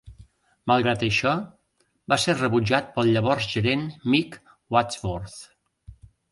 Malgrat això, va ser rebutjat pel llavors gerent Mick Wadsworth.